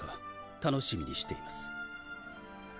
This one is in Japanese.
楽しみにしています。